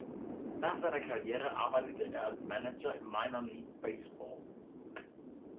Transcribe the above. Nach seiner Karriere arbeitete er als Manager im Minor League Baseball.